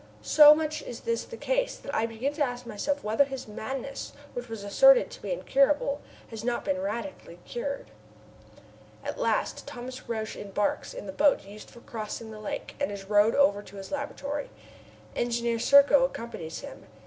So much is this the case that I begin to ask myself whether his madness which was asserted to be incurable, has not been radically cured. At last Thomas Roch embarks in the boat used for crossing the lake and is rowed over to his laboratory. Engineer Serko accompanies him.